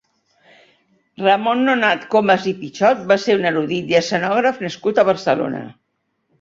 Ramon Nonat Comas i Pitxot va ser un erudit i escenògraf nascut a Barcelona.